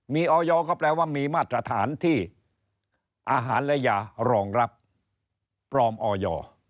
มีออยก็แปลว่ามีมาตรฐานที่อาหารและยารองรับปลอมออย